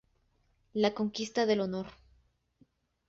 La Conquista Del Honor